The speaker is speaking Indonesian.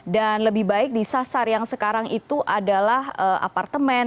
dan lebih baik disasar yang sekarang itu adalah apartemen